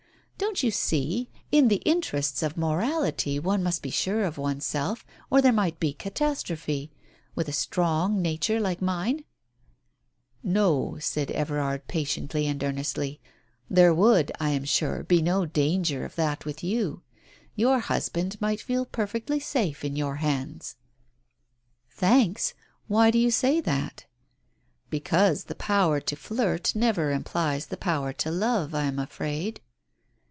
Don't you see, in the interests of morality, one must be sure of oneself, or there might be catastrophe, with a strong nature like mine ?" "No," said Everard patiently and earnestly. "There Digitized by Google 6 TALES OF THE UNEASY would, I am sure, be no danger of that with you. Your husband might feel perfectly safe in your hands." "Thanks. Why do you say that?" "Because the power to flirt never implies the power to love, I am afraid."